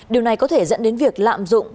điều này có thể dẫn đến việc lạm dụng